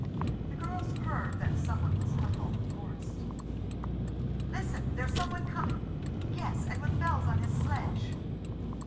The girls heard that some one was coming through the forest. "Listen! there's some one coming. Yes, and with bells on his sledge!"